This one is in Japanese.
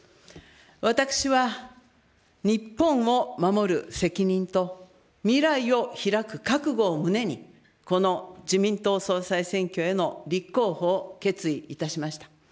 私は日本を守る責任と未来を開く覚悟を胸に、この自民党総裁選挙への立候補を決意いたしました。